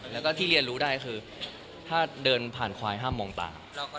แล้วก็ที่เรียนรู้ได้คือถ้าเดินผ่านควายห้ามมองตา